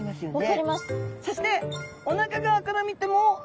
そしておなか側から見ても。